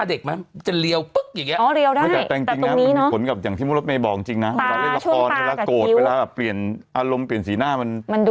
ได้เลือกละครเรื่อยละโกดเวลาอะเปลี่ยนอารมณ์เปลี่ยนสีหน้ามัน